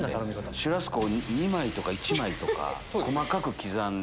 シュラスコ２枚とか１枚とか細かく刻んで。